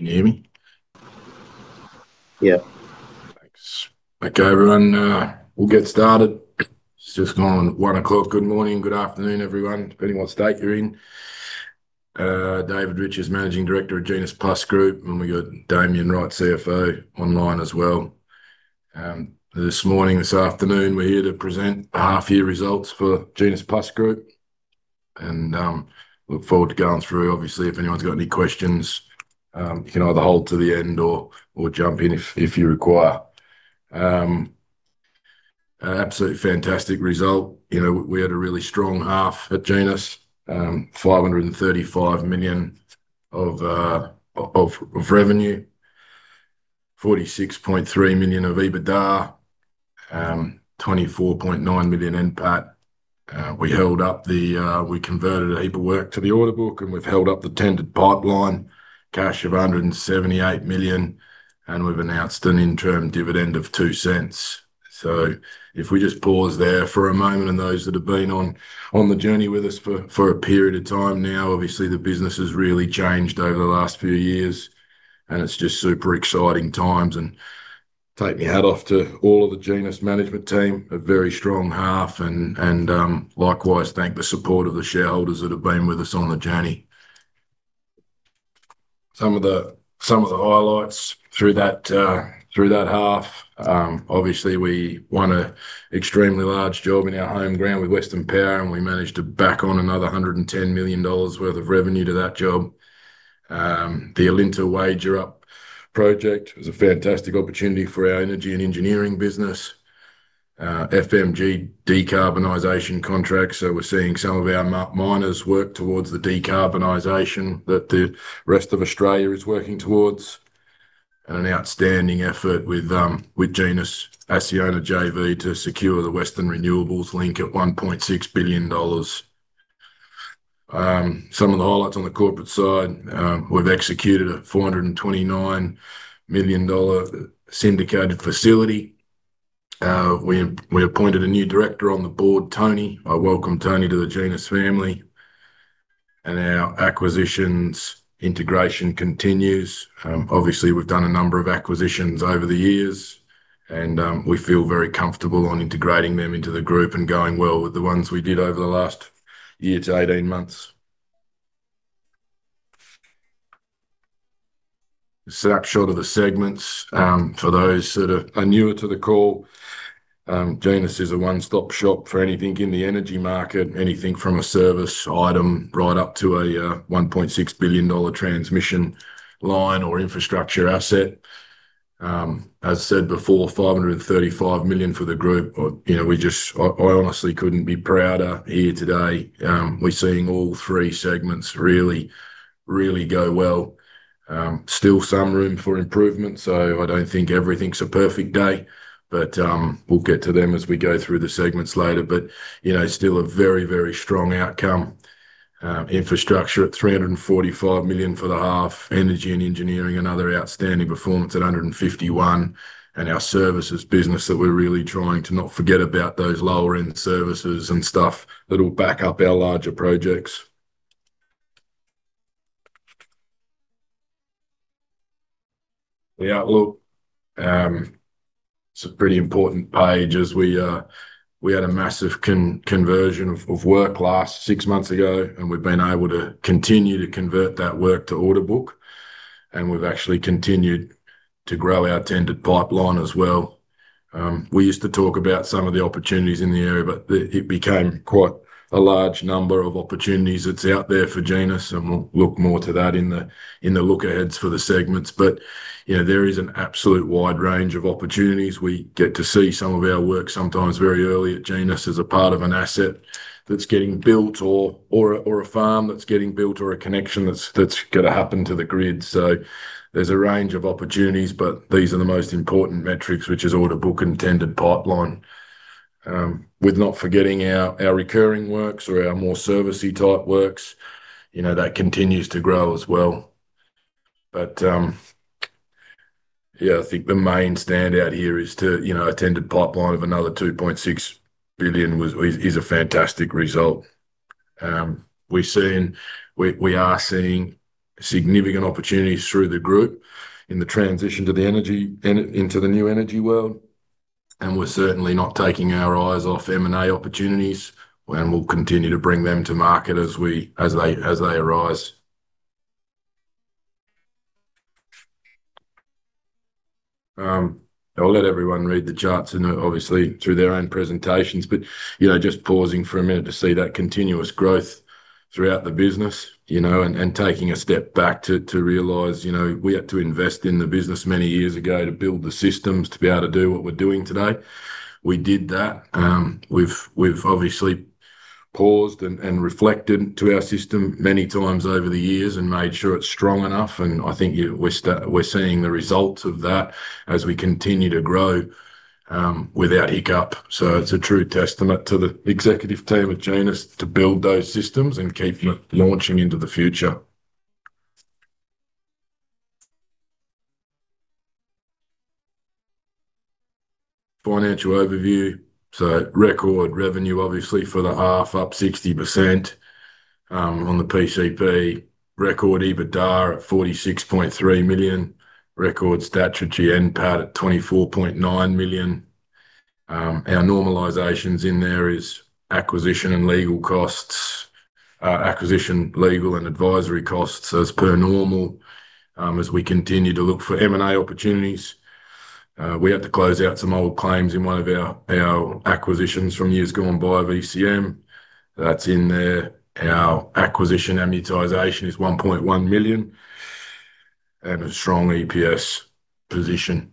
You can hear me? Yeah. Thanks. Okay, everyone, we'll get started. It's just gone 1:00 P.M. Good morning, good afternoon, everyone, depending what state you're in. David Riches is Managing Director of GenusPlus Group, and we've got Damian Wright, Chief Financial Officer, online as well. This morning, this afternoon, we're here to present half-year results for GenusPlus Group, and look forward to going through. Obviously, if anyone's got any questions, you can either hold to the end or jump in if you require. Absolutely fantastic result. You know, we had a really strong half at Genus. 535 million of revenue, 46.3 million of EBITDA, 24.9 million NPAT. We held up the, we converted a heap of work to the order book, and we've held up the tendered pipeline, cash of 178 million, and we've announced an interim dividend of 0.02. If we just pause there for a moment, and those that have been on, on the journey with us for, for a period of time now, obviously, the business has really changed over the last few years, and it's just super exciting times. Take my hat off to all of the Genus management team, a very strong half, and, and, likewise, thank the support of the shareholders that have been with us on the journey. Some of the, some of the highlights through that, through that half. Obviously, we won an extremely large job in our home ground with Western Power. We managed to back on another 110 million dollars worth of revenue to that job. The Alinta Wagerup project was a fantastic opportunity for our energy and engineering business. FMG decarbonization contract, so we're seeing some of our miners work towards the decarbonization that the rest of Australia is working towards. An outstanding effort with Genus ACCIONA JV to secure the Western Renewables Link at AUD 1.6 billion. Some of the highlights on the corporate side. We've executed an AUD 429 million syndicated facility. We appointed a new director on the board, Tony. I welcome Tony to the Genus family. Our acquisitions integration continues. Obviously, we've done a number of acquisitions over the years, and we feel very comfortable on integrating them into the group and going well with the ones we did over the last year to 18 months. A snapshot of the segments, for those that are newer to the call. Genus is a one-stop shop for anything in the energy market, anything from a service item right up to an AUD 1.6 billion transmission line or infrastructure asset. As said before, 535 million for the group. You know, we just. I, I honestly couldn't be prouder here today. We're seeing all three segments really, really go well. Still some room for improvement, so I don't think everything's a perfect day, but we'll get to them as we go through the segments later. You know, still a very, very strong outcome. Infrastructure at 345 million for the half, energy and engineering, another outstanding performance at 151, and our services business, that we're really trying to not forget about those lower-end services and stuff that'll back up our larger projects. The outlook, it's a pretty important page, as we had a massive conversion of, of work last 6 months ago, and we've been able to continue to convert that work to order book, and we've actually continued to grow our tendered pipeline as well. We used to talk about some of the opportunities in the area, it became quite a large number of opportunities that's out there for Genus, and we'll look more to that in the, in the look-aheads for the segments. you know, there is an absolute wide range of opportunities. We get to see some of our work, sometimes very early at Genus, as a part of an asset that's getting built, or a farm that's getting built, or a connection that's gonna happen to the grid. There's a range of opportunities, but these are the most important metrics, which is order book and tendered pipeline. With not forgetting our, our recurring works or our more servicey-type works, you know, that continues to grow as well. Yeah, I think the main standout here is to, you know, a tendered pipeline of another 2.6 billion was, is a fantastic result. We're seeing, we are seeing significant opportunities through the group in the transition to the energy, into the new energy world. We're certainly not taking our eyes off M&A opportunities, and we'll continue to bring them to market as they arise. I'll let everyone read the charts and, obviously, through their own presentations, but, you know, just pausing for a minute to see that continuous growth throughout the business, you know, and taking a step back to, to realize, you know, we had to invest in the business many years ago to build the systems to be able to do what we're doing today. We did that. We've obviously paused and reflected to our system many times over the years and made sure it's strong enough, and I think we're seeing the results of that as we continue to grow without hiccup. It's a true testament to the executive team at Genus to build those systems and keep them launching into the future. Financial overview. Record revenue, obviously, for the half, up 60% on the PCP. Record EBITDA at 46.3 million. Record statutory NPAT at 24.9 million. Our normalizations in there is acquisition and legal costs, acquisition, legal, and advisory costs as per normal, as we continue to look for M&A opportunities. We had to close out some old claims in one of our acquisitions from years gone by, EC&M. That's in there. Our acquisition amortization is 1.1 million, and a strong EPS position.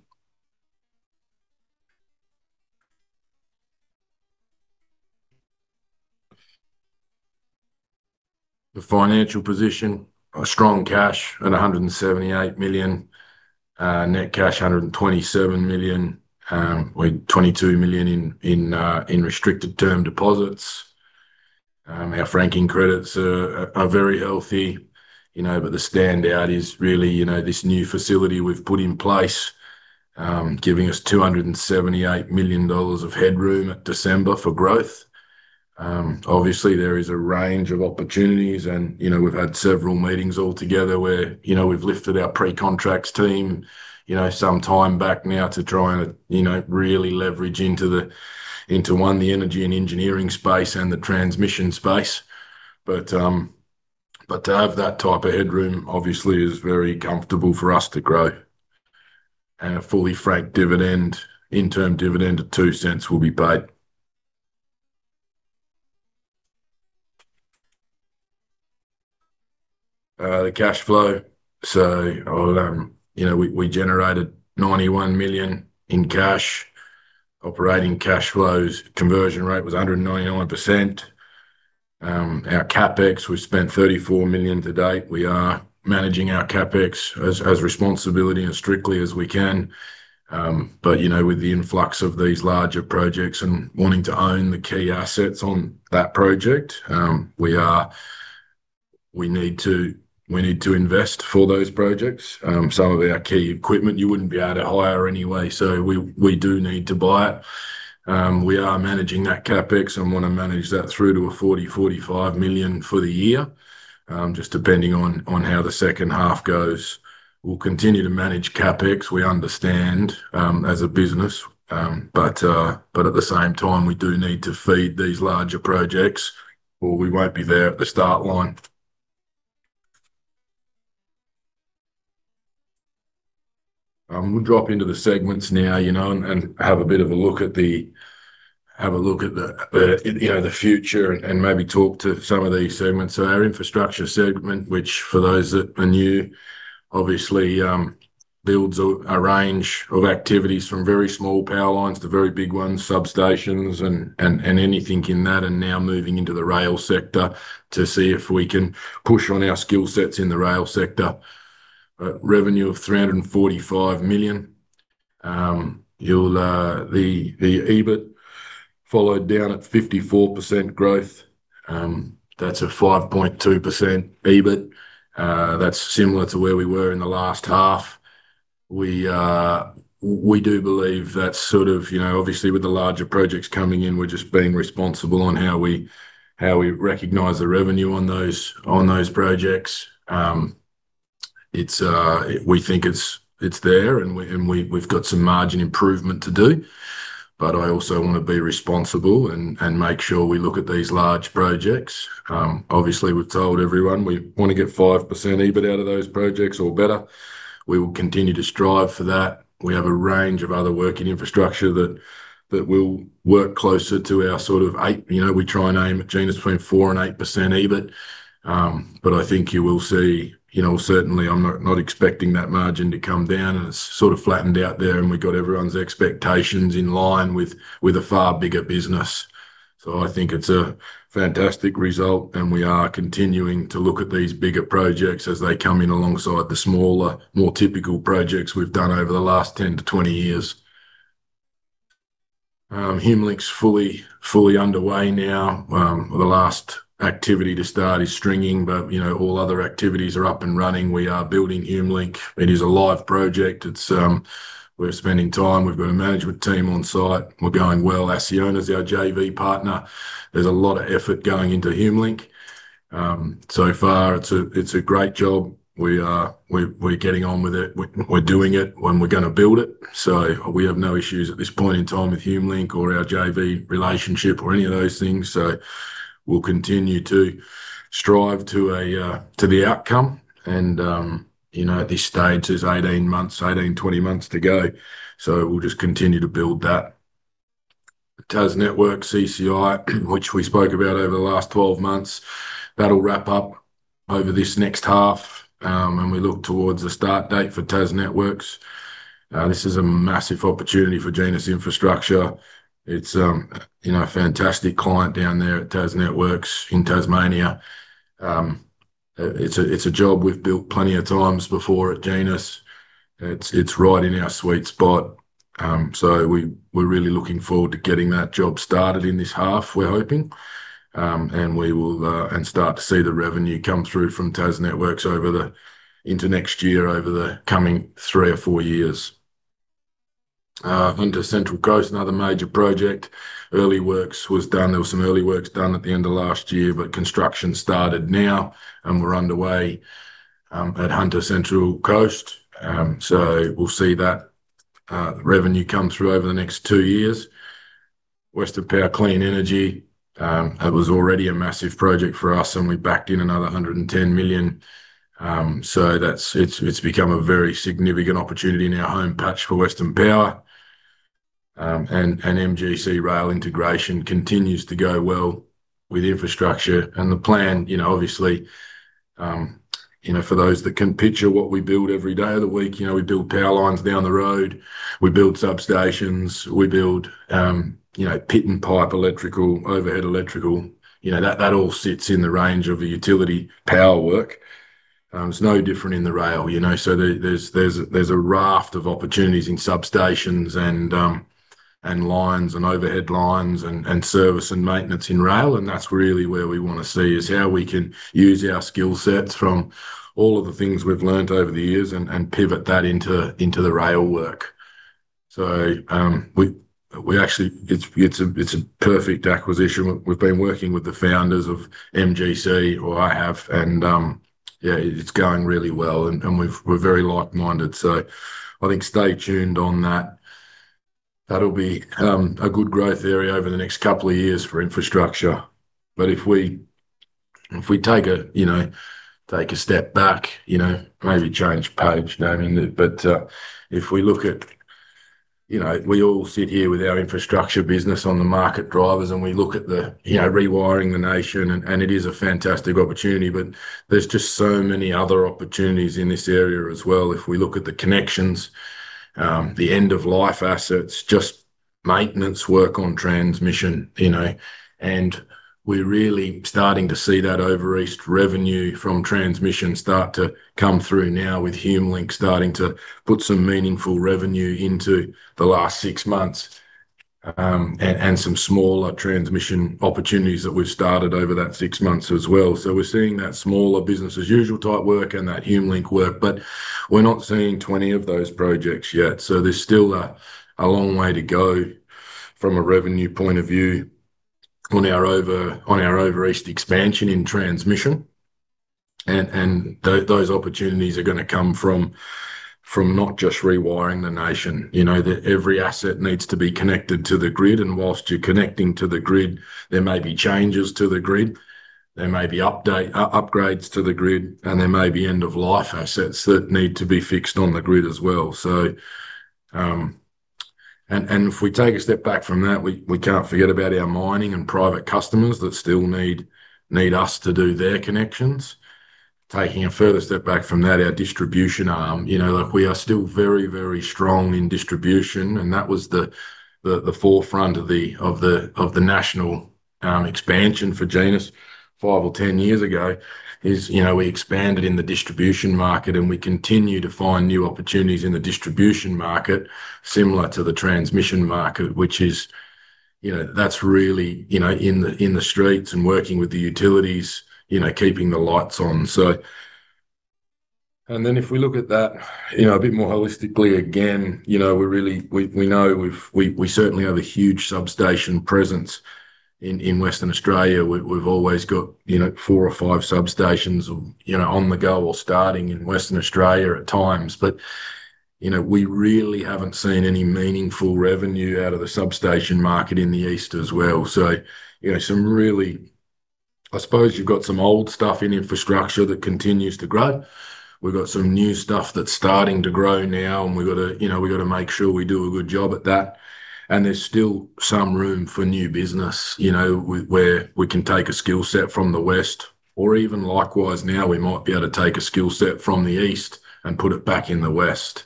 The financial position, a strong cash at 178 million. Net cash, 127 million, with 22 million in restricted term deposits. Our franking credits are, are very healthy, you know, but the standout is really, you know, this new facility we've put in place, giving us 278 million dollars of headroom at December for growth. Obviously, there is a range of opportunities, and, you know, we've had several meetings all together where, you know, we've lifted our pre-contracts team, you know, some time back now to try and, you know, really leverage into the, into, one, the energy and engineering space and the transmission space. To have that type of headroom, obviously, is very comfortable for us to grow. A fully franked dividend, interim dividend of 0.02 will be paid. The cash flow. You know, we, we generated 91 million in cash. Operating cash flows, conversion rate was 199%. Our CapEx, we've spent 34 million to date. We are managing our CapEx as, as responsibility, as strictly as we can. You know, with the influx of these larger projects and wanting to own the key assets on that project, we need to, we need to invest for those projects. Some of our key equipment you wouldn't be able to hire anyway, so we, we do need to buy it. We are managing that CapEx and want to manage that through to a 40 million-45 million for the year, just depending on, on how the second half goes. We'll continue to manage CapEx, we understand, as a business, but at the same time, we do need to feed these larger projects, or we won't be there at the start line. We'll drop into the segments now, you know, and have a bit of a look at the future and maybe talk to some of these segments. Our infrastructure segment, which for those that are new, obviously, builds a range of activities from very small power lines to very big ones, substations, and, and, and anything in that, and now moving into the rail sector to see if we can push on our skill sets in the rail sector. Revenue of 345 million. You'll, the EBITDA followed down at 54% growth. That's a 5.2% EBITDA. That's similar to where we were in the last half. We do believe that's sort of, you know, obviously, with the larger projects coming in, we're just being responsible on how we, how we recognize the revenue on those, on those projects. It's, we think it's, it's there, and we, and we've, we've got some margin improvement to do, but I also want to be responsible and, and make sure we look at these large projects. Obviously, we've told everyone we want to get 5% EBITDA out of those projects or better. We will continue to strive for that. We have a range of other work in infrastructure that, that will work closer to our sort of eight. You know, we try and aim at Genus between 4% and 8% EBITDA. I think you will see, you know, certainly, I'm not, not expecting that margin to come down, and it's sort of flattened out there, and we've got everyone's expectations in line with, with a far bigger business. I think it's a fantastic result, and we are continuing to look at these bigger projects as they come in alongside the smaller, more typical projects we've done over the last 10 to 20 years. HumeLink's fully, fully underway now. The last activity to start is stringing, but, you know, all other activities are up and running. We are building HumeLink. It is a live project. It's, we're spending time. We've got a management team on site. We're going well. ACCIONA is our JV partner. There's a lot of effort going into HumeLink. So far, it's a, it's a great job. We are, we're, we're getting on with it. We're, we're doing it, and we're gonna build it. We have no issues at this point in time with HumeLink or our JV relationship or any of those things. We'll continue to strive to a to the outcome. You know, at this stage, there's 18 months, 18, 20 months to go, so we'll just continue to build that. TasNetworks CCI, which we spoke about over the last 12 months, that'll wrap up over this next half, and we look towards the start date for TasNetworks. This is a massive opportunity for Genus Infrastructure. It's, you know, a fantastic client down there at TasNetworks in Tasmania. It's a, it's a job we've built plenty of times before at Genus. It's, it's right in our sweet spot. We, we're really looking forward to getting that job started in this half, we're hoping. We will, and start to see the revenue come through from TasNetworks over the, into next year, over the coming three or four years. Hunter Central Coast, another major project. Early works was done, there was some early works done at the end of last year, but construction started now, and we're underway at Hunter Central Coast. We'll see that revenue come through over the next two years. Western Power Clean Energy, that was already a massive project for us, and we backed in another 110 million. It's become a very significant opportunity in our home patch for Western Power. MGC Rail Integration continues to go well with infrastructure. The plan, you know, obviously, you know, for those that can picture what we build every day of the week, you know, we build power lines down the road, we build substations, we build, you know, pit and pipe electrical, overhead electrical. You know, that, that all sits in the range of the utility power work. It's no different in the rail, you know, so there, there's, there's a, there's a raft of opportunities in substations and, and lines, and overhead lines, and, and service and maintenance in rail. That's really where we wanna see, is how we can use our skill sets from all of the things we've learned over the years and, and pivot that into, into the rail work. We, we actually it's, it's a, it's a perfect acquisition. We've been working with the founders of MGC, or I have, and, yeah, it's going really well, and we've we're very like-minded. I think stay tuned on that. That'll be a good growth area over the next couple of years for infrastructure. If we, if we take a, you know, take a step back, you know, maybe change page, naming it. If we look at.. You know, we all sit here with our infrastructure business on the market drivers, and we look at the, you know, Rewiring the Nation, and it is a fantastic opportunity, but there's just so many other opportunities in this area as well. If we look at the connections, the end-of-life assets, just maintenance work on transmission, you know, and we're really starting to see that over East revenue from transmission start to come through now, with HumeLink starting to put some meaningful revenue into the last six-months, and some smaller transmission opportunities that we've started over that six months as well. We're seeing that smaller business-as-usual type work and that HumeLink work, but we're not seeing 20 of those projects yet. There's still a long way to go from a revenue point of view on our over, on our over East expansion in transmission. Those opportunities are gonna come from, from not just Rewiring the Nation. You know, that every asset needs to be connected to the grid, whilst you're connecting to the grid, there may be changes to the grid, there may be upgrades to the grid, there may be end-of-life assets that need to be fixed on the grid as well. If we take a step back from that, we can't forget about our mining and private customers that still need us to do their connections. Taking a further step back from that, our distribution arm, you know, like we are still very, very strong in distribution, and that was the, the, the forefront of the, of the, of the national expansion for Genus five or 10 years ago, is, you know, we expanded in the distribution market, and we continue to find new opportunities in the distribution market similar to the transmission market, which is, you know, that's really, you know, in the, in the streets and working with the utilities, you know, keeping the lights on. Then if we look at that, you know, a bit more holistically, again, you know, we certainly have a huge substation presence in Western Australia. We've, we've always got, you know, four or five substations, you know, on the go or starting in Western Australia at times. You know, we really haven't seen any meaningful revenue out of the substation market in the East as well. You know, some really. I suppose you've got some old stuff in infrastructure that continues to grow. We've got some new stuff that's starting to grow now, and we've gotta, you know, we've gotta make sure we do a good job at that. There's still some room for new business, you know, where we can take a skill set from the West, or even likewise now, we might be able to take a skill set from the East and put it back in the West.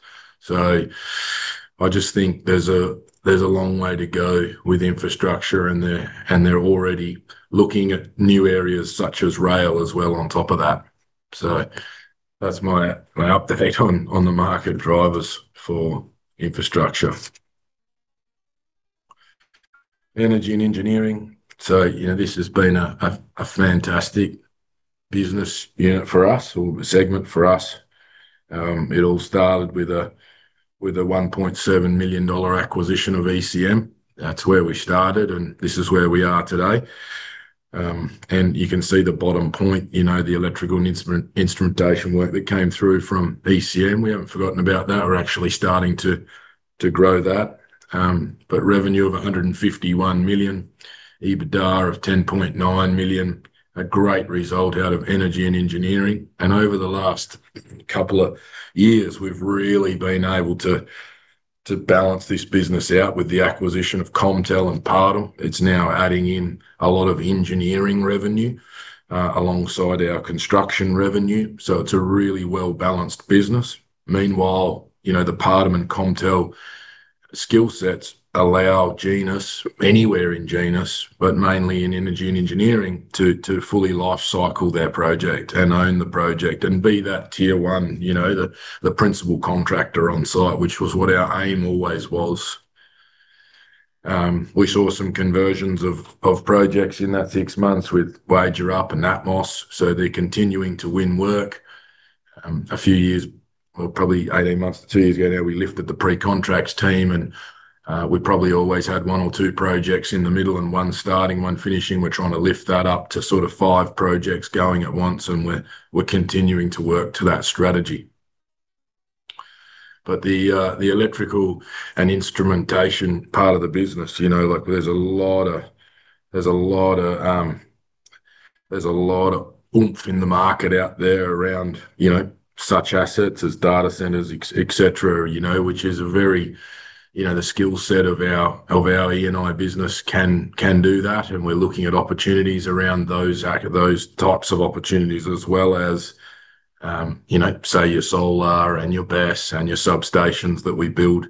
I just think there's a, there's a long way to go with infrastructure, and they're, and they're already looking at new areas such as rail as well on top of that. That's my, my update on, on the market drivers for infrastructure. Energy and Engineering. You know, this has been, a fantastic business unit for us, or a segment for us. It all started with a, with a 1.7 million dollar acquisition of EC&M. That's where we started, and this is where we are today. You can see the bottom point, you know, the electrical and instrumentation work that came through from EC&M. We haven't forgotten about that. We're actually starting to, to grow that. Revenue of 151 million, EBITDA of 10.9 million, a great result out of Energy and Engineering. Over the last couple of years, we've really been able to, to balance this business out with the acquisition of CommTel and Partum. It's now adding in a lot of engineering revenue, alongside our construction revenue, so it's a really well-balanced business. Meanwhile, you know, the Partum and CommTel skill sets allow Genus, anywhere in Genus, but mainly in energy and engineering, to, to fully lifecycle their project and own the project and be that tier one, you know, the, the principal contractor on site, which was what our aim always was. We saw some conversions of, of projects in that six-months with Wagerup and Atmos, so they're continuing to win work. A few years, or probably 18 months to two-years ago now, we lifted the pre-contracts team, and we probably always had one or two projects in the middle and one starting, one finishing. We're trying to lift that up to sort of 5 projects going at once. We're continuing to work to that strategy. The electrical and instrumentation part of the business, you know, like, there's a lot of, there's a lot of oomph in the market out there around, you know, such assets as data centers, et cetera, you know, which is a very. You know, the skill set of our E&I business can do that, and we're looking at opportunities around those types of opportunities, as well as, you know, say, your solar and your BESS and your substations that we build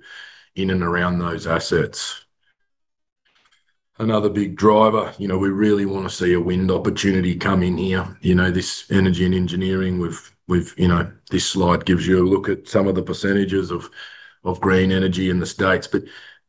in and around those assets. Another big driver, you know, we really want to see a wind opportunity come in here. You know, this energy and engineering, we've, we've you know, this slide gives you a look at some of the % of, of green energy in the States.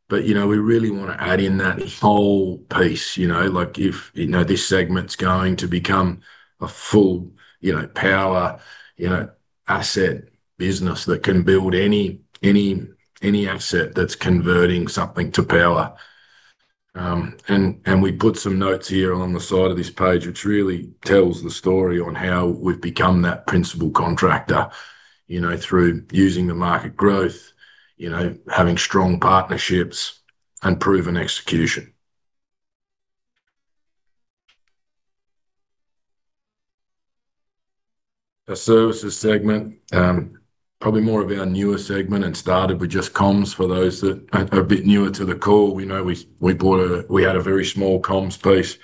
But, you know, we really want to add in that whole piece, you know. Like, if, you know, this segment's going to become a full, you know, power, you know, asset business that can build any, any, any asset that's converting something to power. And, and we put some notes here on the side of this page, which really tells the story on how we've become that principal contractor, you know, through using the market growth, you know, having strong partnerships and proven execution. Our services segment, probably more of our newer segment, and started with just comms for those that are, are a bit newer to the call. We know we, we bought we had a very small comms piece,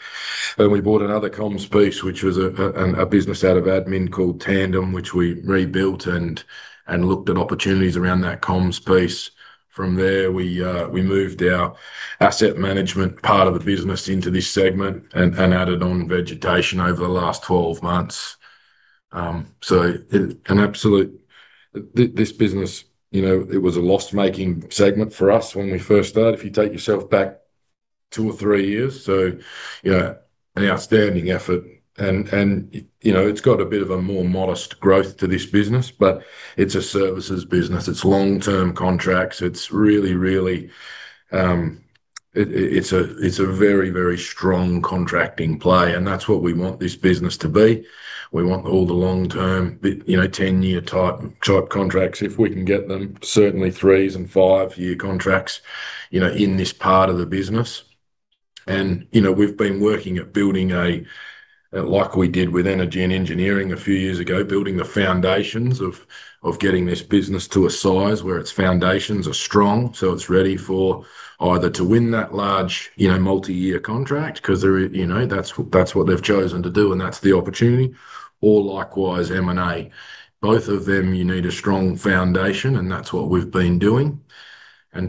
and we bought another comms piece, which was a business out of administration called Tandem, which we rebuilt and, and looked at opportunities around that comms piece. From there, we moved our asset management part of the business into this segment and, and added on vegetation over the last 12 months. So it an absolute. This business, you know, it was a loss-making segment for us when we first started, if you take yourself back two or three-years. So, you know, an outstanding effort and, and, you know, it's got a bit of a more modest growth to this business, but it's a services business. It's long-term contracts. It's really, really. It's a very, very strong contracting play, and that's what we want this business to be. We want all the long-term, you know, 10-year type contracts, if we can get them. Certainly, three and five-year contracts, you know, in this part of the business. You know, we've been working at building a, like we did with energy and engineering a few years ago, building the foundations of getting this business to a size where its foundations are strong, so it's ready for either to win that large, you know, multi-year contract, 'cause they're, you know, that's what they've chosen to do, and that's the opportunity, or likewise, M&A. Both of them, you need a strong foundation, and that's what we've been doing.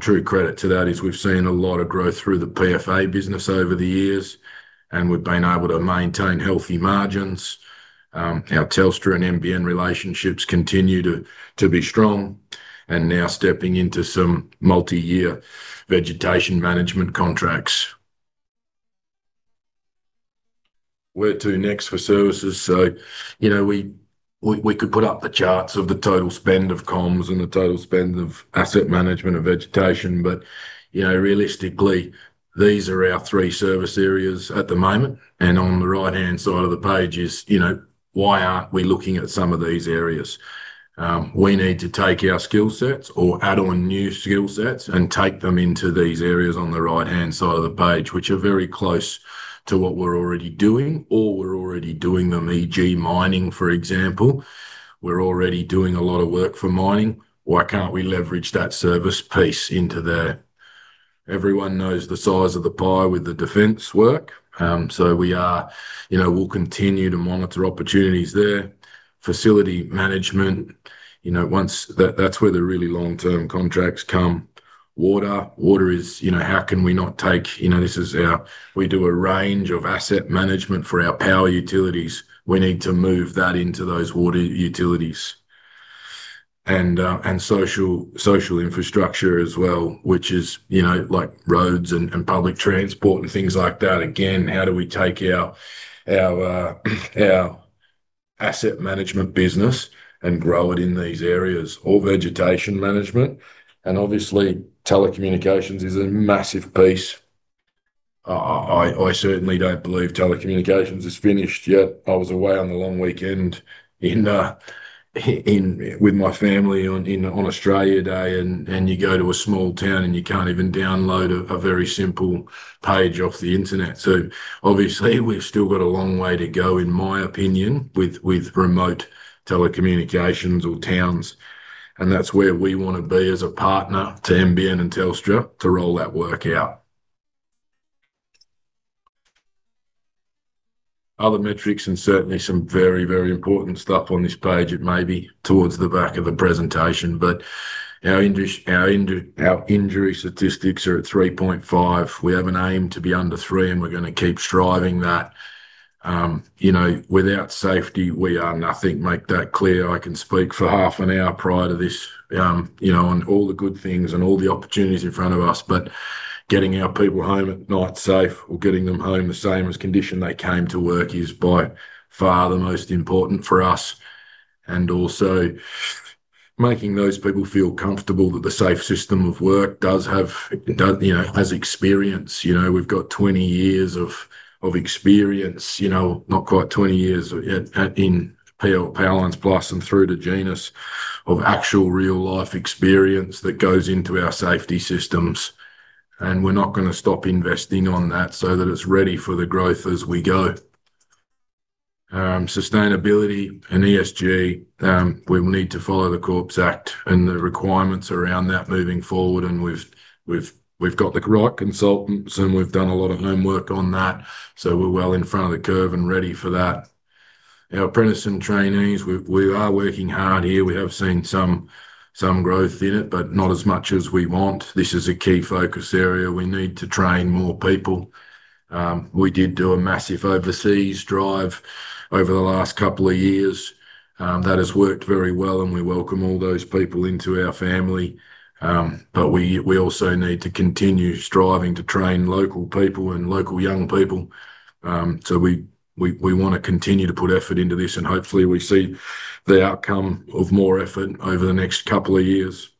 True credit to that is we've seen a lot of growth through the PFA business over the years, and we've been able to maintain healthy margins. Our Telstra and NBN relationships continue to, to be strong, and now stepping into some multi-year vegetation management contracts. Where to next for services? You know, we, we, we could put up the charts of the total spend of comms and the total spend of asset management of vegetation, but, you know, realistically, these are our three service areas at the moment, and on the right-hand side of the page is, you know, why aren't we looking at some of these areas? We need to take our skill sets or add on new skill sets and take them into these areas on the right-hand side of the page, which are very close to what we're already doing, or we're already doing them, e.g., mining, for example. We're already doing a lot of work for mining. Why can't we leverage that service piece into there? Everyone knows the size of the pie with the defense work. You know, we'll continue to monitor opportunities there. Facility management, you know, once. That's where the really long-term contracts come. Water. Water is, you know, how can we not take? You know, this is our- we do a range of asset management for our power utilities. We need to move that into those water utilities. Social, social infrastructure as well, which is, you know, like roads and, and public transport and things like that. Again, how do we take our, our, our asset management business and grow it in these areas? Vegetation management, and obviously, telecommunications is a massive piece. I, I certainly don't believe telecommunications is finished yet. I was away on the long weekend in, with my family on, in, on Australia Day, and, and you go to a small town, and you can't even download a, a very simple page off the internet. Obviously, we've still got a long way to go, in my opinion, with, with remote telecommunications or towns, and that's where we want to be as a partner to NBN and Telstra to roll that work out. Other metrics, certainly some very, very important stuff on this page. It may be towards the back of the presentation, but our injury statistics are at three point five. We have an aim to be under three, and we're gonna keep striving that. You know, without safety, we are nothing. Make that clear. I can speak for half an hour prior to this, you know, on all the good things and all the opportunities in front of us, but getting our people home at night safe or getting them home the same as condition they came to work is by far the most important for us. Also, making those people feel comfortable that the safe system of work does have, does, you know, has experience. You know, we've got 20 years of, of experience, you know, not quite 20 years at, at, in Powerlines Plus and through to Genus, of actual real-life experience that goes into our safety systems, and we're not gonna stop investing on that so that it's ready for the growth as we go. Sustainability and ESG, we will need to follow the Corporations Act and the requirements around that moving forward, we've, we've, we've got the right consultants, and we've done a lot of homework on that, so we're well in front of the curve and ready for that. Our apprentice and trainees, we are working hard here. We have seen some, some growth in it, but not as much as we want. This is a key focus area. We need to train more people. We did do a massive overseas drive over the last 2 years. That has worked very well, and we welcome all those people into our family. We, we also need to continue striving to train local people and local young people. We, we, we wanna continue to put effort into this, and hopefully, we see the outcome of more effort over the next two-years.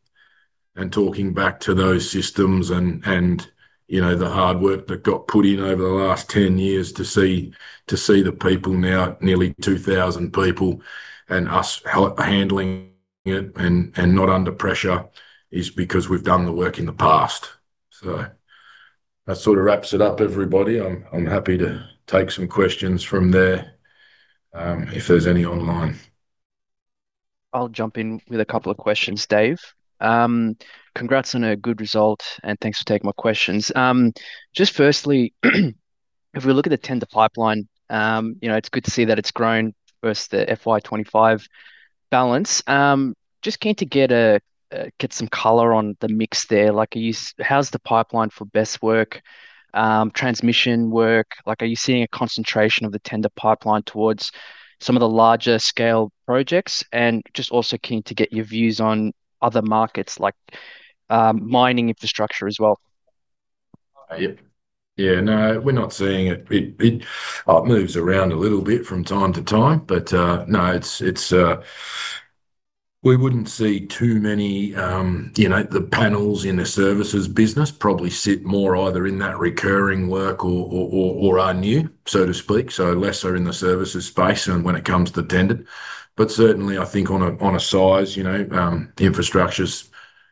Talking back to those systems and, and, you know, the hard work that got put in over the last 10 years to see, to see the people now, nearly 2,000 people, and us handling it and, and not under pressure, is because we've done the work in the past. That sort of wraps it up, everybody. I'm, I'm happy to take some questions from there, if there's any online. I'll jump in with a couple of questions, David Congrats on a good result, and thanks for taking my questions. Just firstly, if we look at the tender pipeline, you know, it's good to see that it's grown versus the FY 2025 balance. Just keen to get some colour on the mix there. Like, how's the pipeline for BESS work, transmission work? Like, are you seeing a concentration of the tender pipeline towards some of the larger scale projects? Just also keen to get your views on other markets, like mining infrastructure as well. Yep. Yeah, no, we're not seeing it. It, it moves around a little bit from time to time, but no, it's, it's, we wouldn't see too many, you know, the panels in the services business probably sit more either in that recurring work, or are new, so to speak, so lesser in the services space and when it comes to tender. Certainly, I think on a, on a size, you know, infrastructure's,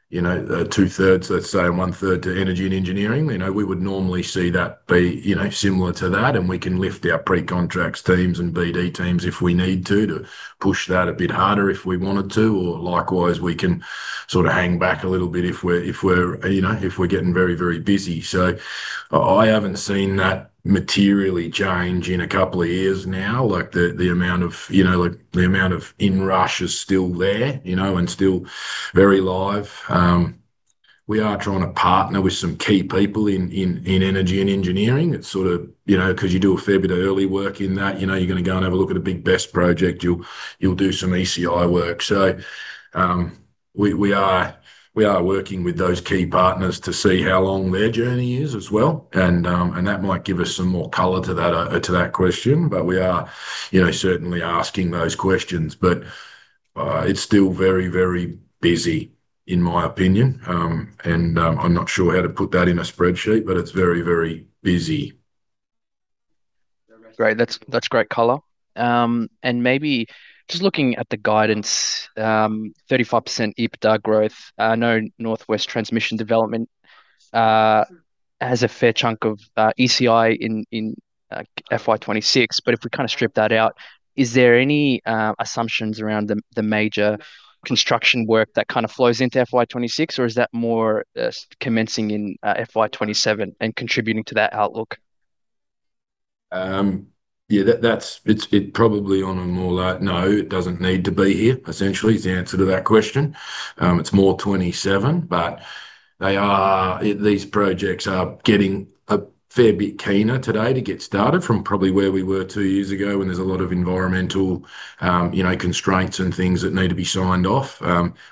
you know, two-thirds, let's say, and one-third to energy and engineering. You know, we would normally see that be, you know, similar to that, and we can lift our pre-contracts teams and BD teams if we need to, to push that a bit harder if we wanted to, or likewise, we can sort of hang back a little bit if we're, if we're, you know, if we're getting very, very busy. I, I haven't seen that materially change in a couple of years now. Like, the, the amount of, you know, like, the amount of inrush is still there, you know, and still very live. We are trying to partner with some key people in, in, in energy and engineering. It's sort of, you know, 'cause you do a fair bit of early work in that. You know, you're gonna go and have a look at a big BESS project, you'll, you'll do some ECI work. We, we are, we are working with those key partners to see how long their journey is as well, and that might give us some more color to that, to that question, but we are, you know, certainly asking those questions. It's still very, very busy in my opinion, and I'm not sure how to put that in a spreadsheet, but it's very, very busy. Great. That's, that's great color. Maybe just looking at the guidance, 35% EBITDA growth, no North West Transmission Developments has a fair chunk of ECI in FY 2026. If we kind of strip that out, is there any assumptions around the major construction work that kind of flows into FY 2026, or is that more commencing in FY 2027 and contributing to that outlook? Yeah, that's, it probably on a more like, no, it doesn't need to be here, essentially, is the answer to that question. It's more FY 2027, but they are. These projects are getting a fair bit keener today to get started from probably where we were two years ago, when there's a lot of environmental, you know, constraints and things that need to be signed off.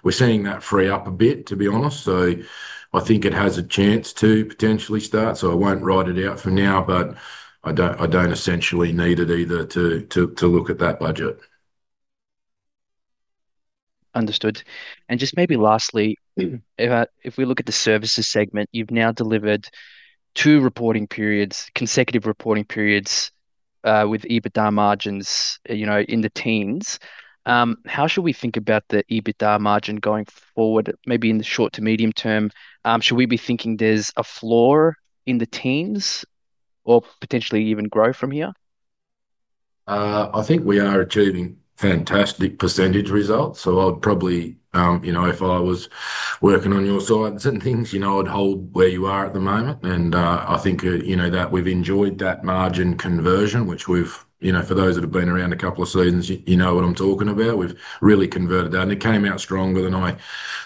We're seeing that free up a bit, to be honest, so I think it has a chance to potentially start. I won't write it out for now, but I don't, I don't essentially need it either to, look at that budget. Understood. Just maybe lastly, if we look at the services segment, you've now delivered 2 reporting periods, consecutive reporting periods, with EBITDA margins, you know, in the teens. How should we think about the EBITDA margin going forward, maybe in the short to medium term? Should we be thinking there's a floor in the teens or potentially even grow from here? I think we are achieving fantastic percentage results, so I'd probably, you know, if I was working on your side of certain things, you know, I'd hold where you are at the moment. I think, you know, that we've enjoyed that margin conversion, which we've, you know, for those that have been around a couple of seasons, you know what I'm talking about. We've really converted that, and it came out stronger than I,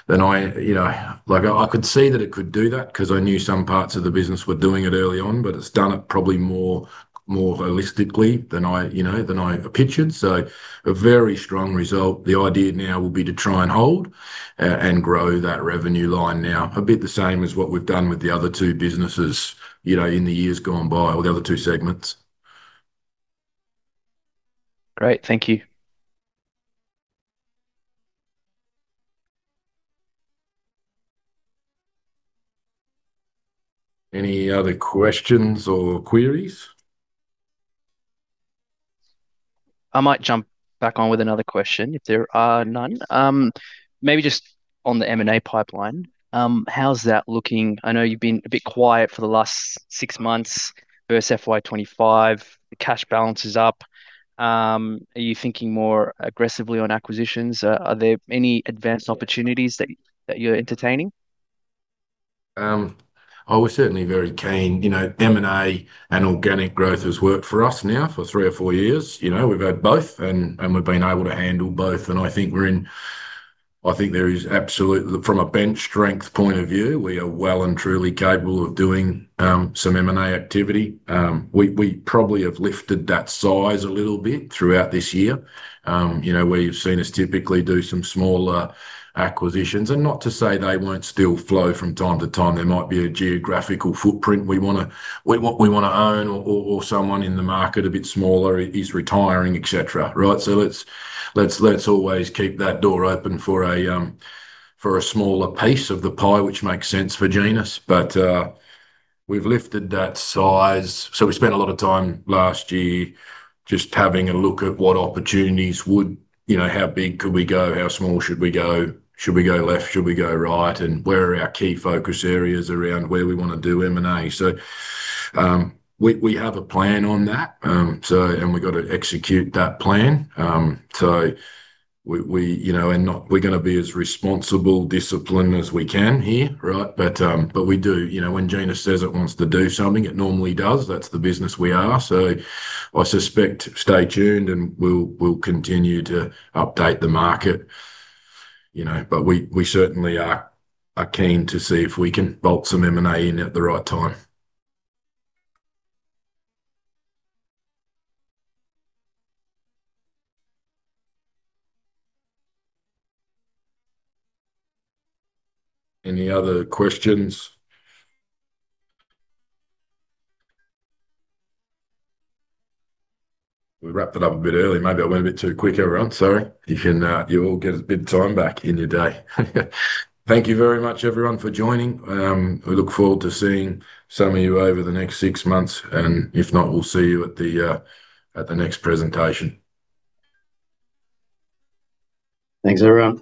than I. You know, like, I could see that it could do that 'cause I knew some parts of the business were doing it early on, but it's done it probably more, more holistically than I, you know, than I pictured. A very strong result. The idea now will be to try and hold, and grow that revenue line now. A bit the same as what we've done with the other two businesses, you know, in the years gone by, or the other two segments. Great. Thank you. Any other questions or queries? I might jump back on with another question if there are none. Maybe just on the M&A pipeline, how's that looking? I know you've been a bit quiet for the last six-months versus FY 2025. The cash balance is up. Are you thinking more aggressively on acquisitions? Are there any advanced opportunities that you're entertaining? We're certainly very keen. You know, M&A and organic growth has worked for us now for three or four years. You know, we've had both, and we've been able to handle both, I think there is absolutely, from a bench strength point of view, we are well and truly capable of doing some M&A activity. We probably have lifted that size a little bit throughout this year. You know, where you've seen us typically do some smaller acquisitions. Not to say they won't still flow from time to time. There might be a geographical footprint we wanna own, or someone in the market a bit smaller is retiring, etc., right? Let's, let's always keep that door open for a, for a smaller piece of the pie, which makes sense for Genus. We've lifted that size. We spent a lot of time last year just having a look at what opportunities would... You know, how big could we go? How small should we go? Should we go left? Should we go right? Where are our key focus areas around where we wanna do M&A? We, we have a plan on that, and we've got to execute that plan. We, we, you know, we're gonna be as responsible, disciplined as we can here, right? We do. You know, when Genus says it wants to do something, it normally does. That's the business we are. I suspect, stay tuned, and we'll, we'll continue to update the market, you know. We, we certainly are, are keen to see if we can bolt some M&A in at the right time. Any other questions? We wrapped it up a bit early. Maybe I went a bit too quick, everyone. Sorry. You can, you all get a bit of time back in your day. Thank you very much, everyone, for joining. We look forward to seeing some of you over the next six months, and if not, we'll see you at the, at the next presentation. Thanks, everyone.